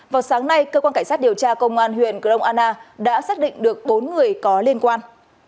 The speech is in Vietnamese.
vào sáng nay cơ quan cảnh sát điều tra công an huyện grong anna đã xác định được bốn người có liên quan